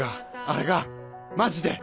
あれがマジで？